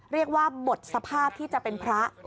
เรียกว่าหมดสภาพที่จะเป็นพระ